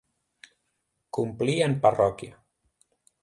Complir en parròquia.